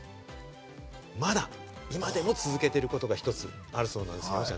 まだ今でも続けていることが一つあるそうです。